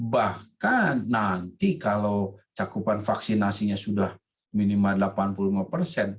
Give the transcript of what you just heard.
bahkan nanti kalau cakupan vaksinasinya sudah minimal delapan puluh lima persen